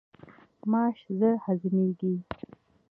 ماش ژر هضمیږي.